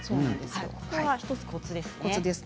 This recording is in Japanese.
ここが１つ、コツですね。